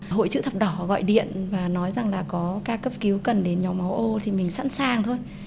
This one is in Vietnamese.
hội chữ thập đỏ gọi điện và nói rằng là có ca cấp cứu cần đến nhóm máu ô thì mình sẵn sàng thôi